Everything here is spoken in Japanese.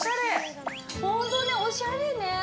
本当におしゃれね。